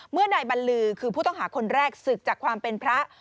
เมื่อนายบรรลือคือผู้ต้องหาคนแรกศึกจากความเป็นพระ